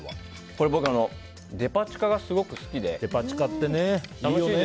僕、デパ地下がすごく好きで。